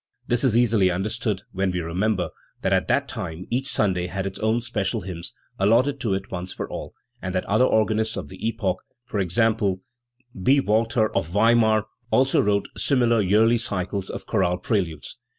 This is easily understood when we re member that at that time each Sunday had its own special hymns, allotted to it once for all, and that other organists of the epoch e. g. B. Walther of Weimar also wrote similar yearly cycles of chorale preludes.